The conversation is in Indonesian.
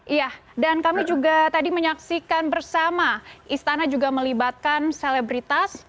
iya dan kami juga tadi menyaksikan bersama istana juga melibatkan selebritas